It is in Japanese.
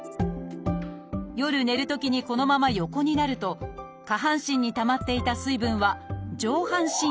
夜寝るときにこのまま横になると下半身にたまっていた水分は上半身へと移動。